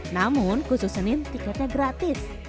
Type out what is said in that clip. namun khusus senin tiketnya gratis